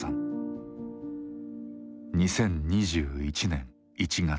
２０２１年１月。